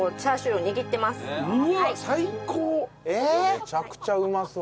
めちゃくちゃうまそう。